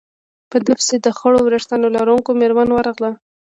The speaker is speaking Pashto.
په ده پسې د خړو ورېښتانو لرونکې مېرمن ورغله.